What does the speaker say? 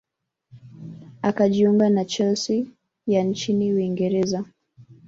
akajiunga na chelsea ya nchini uingereza